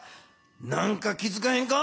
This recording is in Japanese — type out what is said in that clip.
何か気づかへんか？